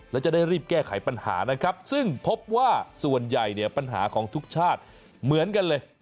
และจะได้รีบแก้ไขปัญหานะครับซึ่งพบว่าส่วนใหญ่เนี่ยปัญหาของทุกชาติเหมือนกันเลย